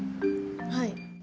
はい。